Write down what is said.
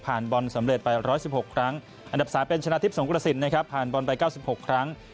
บอลสำเร็จไป๑๑๖ครั้งอันดับ๓เป็นชนะทิพย์สงกระสินนะครับผ่านบอลไป๙๖ครั้ง